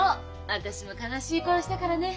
私も悲しい恋をしたからね。